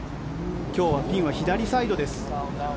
今日はピンは左サイドです。